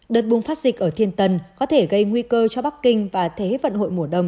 đợt bùng phát dịch ở thiên tân có thể gây nguy cơ cho bắc kinh và thế vận hội mùa đông